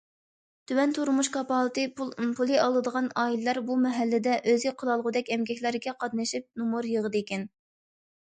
تۆۋەن تۇرمۇش كاپالىتى پۇلى ئالىدىغان ئائىلىلەر بۇ مەھەللىدە ئۆزى قىلالىغۇدەك ئەمگەكلەرگە قاتنىشىپ نومۇر يىغىدىكەن.